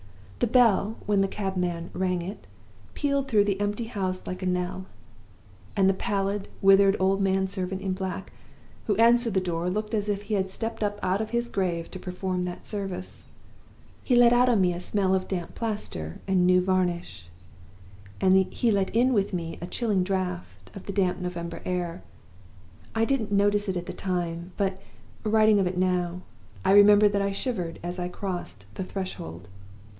The bell, when the cabman rang it, pealed through the empty house like a knell; and the pallid, withered old man servant in black who answered the door looked as if he had stepped up out of his grave to perform that service. He let out on me a smell of damp plaster and new varnish; and he let in with me a chilling draft of the damp November air. I didn't notice it at the time, but, writing of it now, I remember that I shivered as I crossed the threshold.